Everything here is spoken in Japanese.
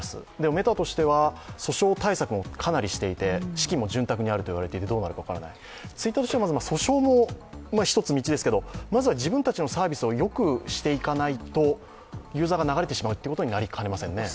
メタとしては訴訟対策もかなりしていて、資金も潤沢にあるどうなるか分からない、Ｔｗｉｔｔｅｒとしては、訴訟も一つ道ですけれども、まず自分たちのサービスを良くしていかないとユーザーが流れてしまうということになりかねませんね。